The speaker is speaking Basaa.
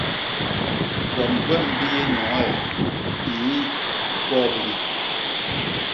Gwom gwem biyé nyoo e? ññ, gwo bini!